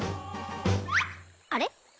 あれ？